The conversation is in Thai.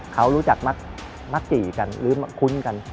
เขารู้จักมักจี่กันหรือคุ้นกัน